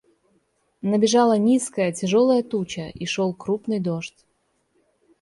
Набежала низкая, тяжелая туча, и шел крупный дождь.